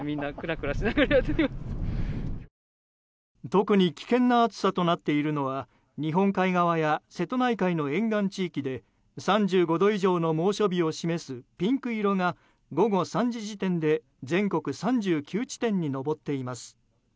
特に危険な暑さとなっているのは日本海側や瀬戸内海の沿岸地域で３５度以上の猛暑日を示すピンク色が午後３時時点で全国３９地点に上っています。